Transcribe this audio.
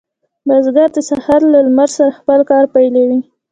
بزګر د سهار له لمر سره خپل کار پیلوي.